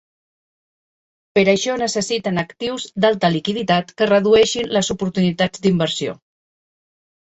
Per això necessiten actius d'alta liquiditat que redueixen les oportunitats d'inversió.